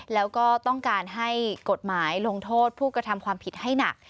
แล้วก็ต้องการให้กฎหมายลงโทษผู้กระทำความผิดให้หนัก